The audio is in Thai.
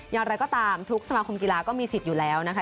อย่างไรก็ตามทุกสมาคมกีฬาก็มีสิทธิ์อยู่แล้วนะคะ